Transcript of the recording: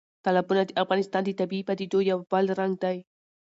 تالابونه د افغانستان د طبیعي پدیدو یو بل رنګ دی.